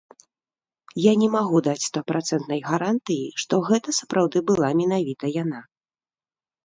Я не магу даць стапрацэнтнай гарантыі, што гэта сапраўды была менавіта яна.